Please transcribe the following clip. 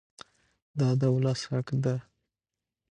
دا د ولس حق دی.